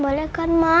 boleh kan ma